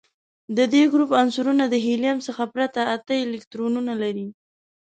د دې ګروپ عنصرونه د هیلیم څخه پرته اته الکترونونه لري.